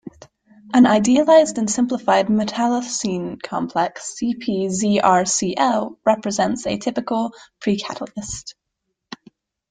An idealized and simplified metallocene complex CpZrCl represents a typical precatalyst.